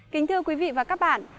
kính thưa quý vị và các bạn